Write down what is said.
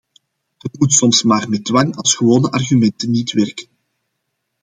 Het moet soms maar met dwang als gewone argumenten niet werken.